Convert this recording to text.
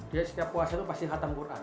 dia setiap puasa itu pasti hatam quran